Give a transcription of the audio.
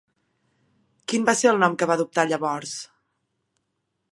Quin va ser el nom que va adoptar llavors?